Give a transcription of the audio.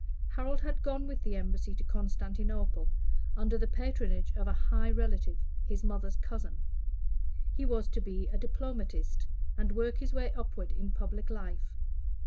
Harold had gone with the Embassy to Constantinople, under the patronage of a high relative, his mother's cousin; he was to be diplomatist, and work his way upward in public life.